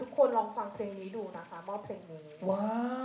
ขอบคุณค่ะ